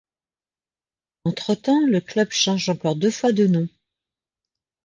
Entre-temps, le club change encore deux fois de nom.